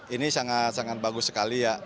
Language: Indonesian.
ini sangat sangat bagus sekali ya